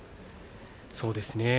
そうですね。